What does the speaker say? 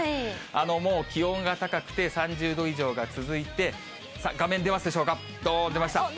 もう気温が高くて、３０度以上が続いて、画面出ますでしょうか、どーん、出ました。